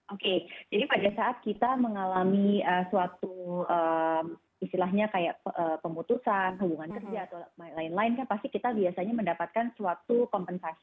oke jadi pada saat kita mengalami suatu istilahnya kayak pemutusan hubungan kerja atau lain lain kan pasti kita biasanya mendapatkan suatu kompensasi